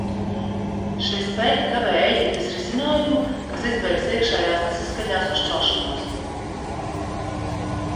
Šie spēki kavē Ēģiptes risinājumu, kas izbeigs iekšējās nesaskaņās un šķelšanos.